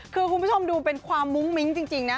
คือคุณผู้ชมดูเป็นความมุ้งมิ้งจริงนะ